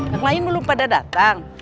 yang lain belum pada datang